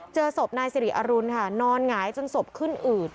เจอศพนายสิริอรุณค่ะนอนหงายจนศพขึ้นอืด